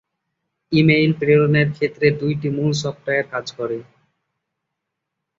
Email প্রেরণের ক্ষেত্রে দুইটি মূল সফটওয়ার কাজ করে।